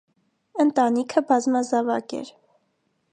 Ընտանիքը բազմազավակ էր։